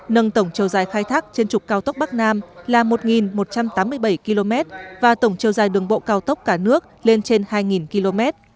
nâng tổng châu dài khai thác trên trục cao tốc bắc nam là một một trăm tám mươi bảy km và tổng chiều dài đường bộ cao tốc cả nước lên trên hai km